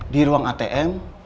di ruang atm